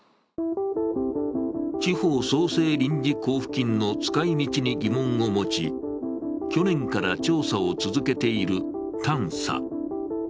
地方創生臨時交付金の使いみちに疑問を持ち去年から調査を続けているＴａｎｓａ。